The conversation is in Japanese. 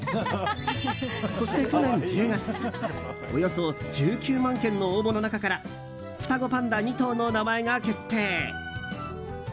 そして去年１０月およそ１９万件の応募の中から双子パンダ２頭の名前が決定。